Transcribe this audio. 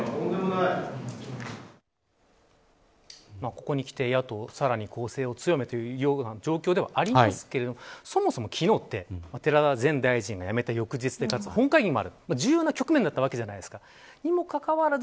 ここにきて、野党さらに攻勢を強めているような状況でありますけどそもそも昨日って寺田前大臣が辞めた翌日でかつ、本会議もある重要な局面だったわけじゃないですか。